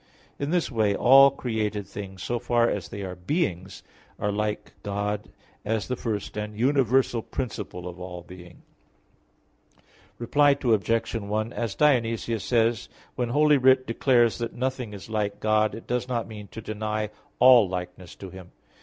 In this way all created things, so far as they are beings, are like God as the first and universal principle of all being. Reply Obj. 1: As Dionysius says (Div. Nom. ix), when Holy Writ declares that nothing is like God, it does not mean to deny all likeness to Him.